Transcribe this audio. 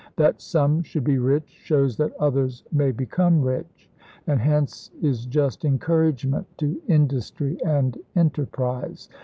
That some should be rich shows that others may become rich, and hence, is just encouragement to industry and enterprise.